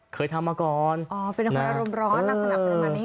เคยทำมาก่อนอ๋อเป็นคนอารมณ์ร้อนลักษณะประมาณนี้